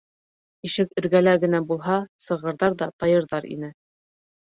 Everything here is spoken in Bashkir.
Ишек эргәлә генә булһа сығырҙар ҙа тайырҙар ине.